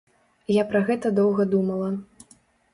Я пра гэта доўга думала.